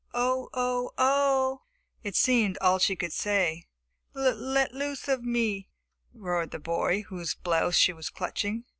"Oh, oh, oh!" It seemed all she could say. "L let l loose of me!" roared the boy whose blouse she was clutching.